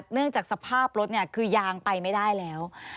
เนื่องจากสภาพรถคือยางไปไม่ได้แล้ว